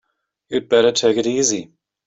You'd better take it easy.